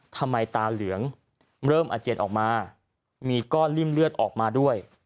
ตาเหลืองเริ่มอาเจียนออกมามีก้อนริ่มเลือดออกมาด้วย